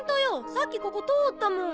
さっきここ通ったもん！